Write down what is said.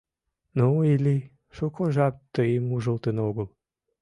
— Ну, Илли, шуко жап тыйым ужылтын огыл.